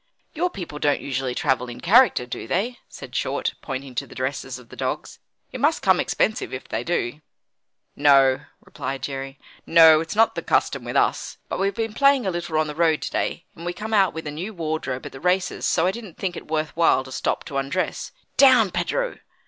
"Your people don't usually travel in character, do they?" said Short, pointing to the dresses of the dogs. "It must come expensive, if they do." "No," replied Jerry, "no, it's not the custom with us. But we've been playing a little on the road to day, and we come out with a new wardrobe at the races, so I didn't think it worth while to stop to undress. Down, Pedro!"